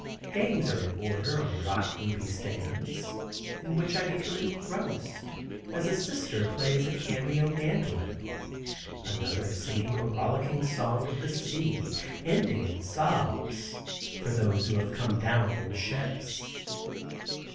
Games are in order on rock ruby stands, in which I become engrossed, as a "sister" plays a cameo mandolin; another singing a rollicking song of the sea, ending in sobs, for those who come down in ships.